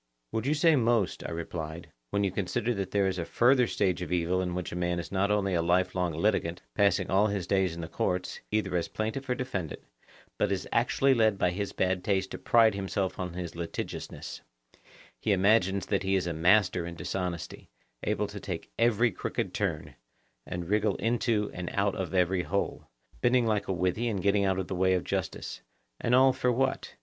Would you say 'most,' I replied, when you consider that there is a further stage of the evil in which a man is not only a life long litigant, passing all his days in the courts, either as plaintiff or defendant, but is actually led by his bad taste to pride himself on his litigiousness; he imagines that he is a master in dishonesty; able to take every crooked turn, and wriggle into and out of every hole, bending like a withy and getting out of the way of justice: and all for what?